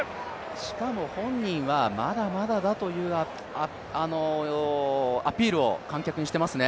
しかも本人はまだまだだというアピールを観客にしていますね。